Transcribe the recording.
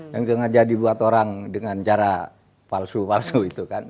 yang sengaja dibuat orang dengan cara palsu palsu itu kan